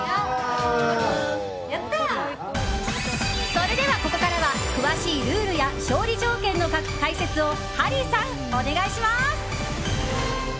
それでは、ここからは詳しいルールや勝利条件の解説をハリーさん、お願いします。